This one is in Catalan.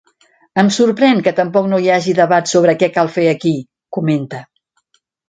Em sorprèn que tampoc no hi hagi debat sobre què cal fer aquí, comenta.